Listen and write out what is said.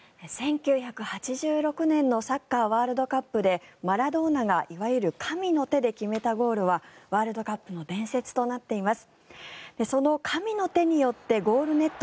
１９８６年のサッカーワールドカップでマラドーナがいわゆる神の手で決めたゴールはワールドカップの伝説となっています。